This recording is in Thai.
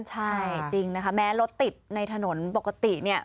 ใช่จริงนะคะแม้รถติดในถนนปกติเนี่ย